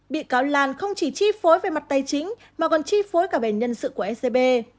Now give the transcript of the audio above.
bị cáo lan không chỉ chi phối về mặt tài chính mà còn chi phối cả về nhân sự của scb